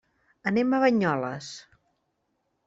Anem a Banyoles.